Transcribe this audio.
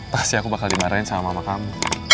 pasti aku bakal dimarahin sama mama kamu